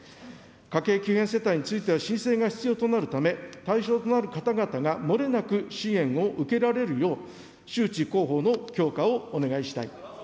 家計急変世帯については申請が必要となるため、対象となる方々が漏れなく支援を受けられるよう、周知・広報の強化をお願いしたい。